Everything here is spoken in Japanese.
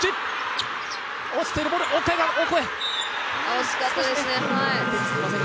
惜しかったですね。